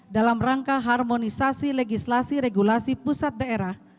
dalam rangka harmonisasi legislasi regulasi pusat daerah